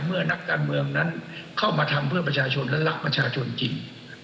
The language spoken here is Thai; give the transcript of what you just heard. นักการเมืองนั้นเข้ามาทำเพื่อประชาชนและรักประชาชนจริง